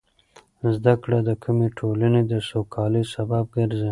زده کړه د کومې ټولنې د سوکالۍ سبب ګرځي.